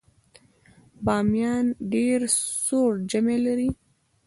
بامیان ډیر سوړ ژمی لري